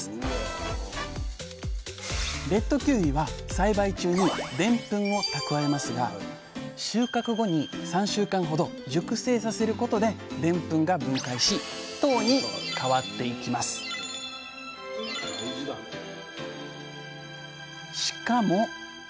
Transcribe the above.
レッドキウイは栽培中にでんぷんを蓄えますが収穫後に３週間ほど熟成させることででんぷんが分解し糖に変わっていきますしかも！